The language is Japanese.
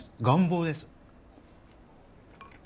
願望です。